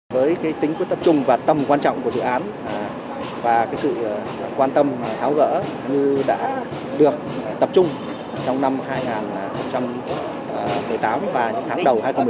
với tính quyết tập trung và tầm quan trọng của dự án và sự quan tâm tháo gỡ như đã được tập trung trong năm hai nghìn một mươi tám và tháng đầu hai nghìn một mươi chín